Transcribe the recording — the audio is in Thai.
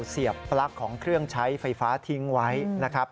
เสียบปลั๊กของเครื่องใช้ไฟฟ้าทิ้งไว้นะครับ